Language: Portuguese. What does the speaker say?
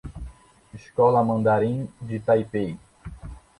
Escola Mandarim de Taipei